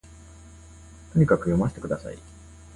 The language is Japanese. とにかく読ませて下さい